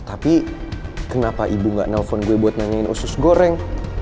tapi kenapa ibu nggak nelfon gue buat nanyain usus goreng